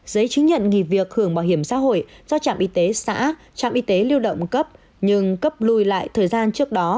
giấy chứng nhận nghỉ việc hưởng bảo hiểm xã hội do trạm y tế xã trạm y tế lưu động cấp nhưng cấp lùi lại thời gian trước đó